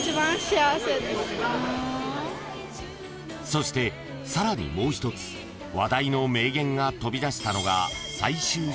［そしてさらにもう一つ話題の名言が飛び出したのが］